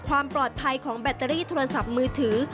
ความปลอดภัยของแบตเตอรี่โทรศัพท์มือถือ